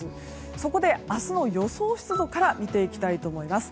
そこで、明日の予想湿度から見てきたいと思います。